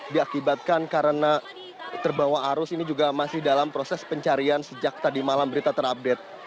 diakibatkan karena terbawa arus ini juga masih dalam proses pencarian sejak tadi malam berita terupdate